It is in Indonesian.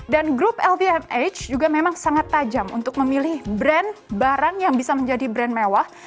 dan grup lvmh juga memang sangat tajam untuk memilih brand barang yang bisa menjadi brand mewah